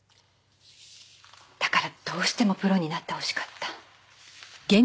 だからどうしてもプロになってほしかった。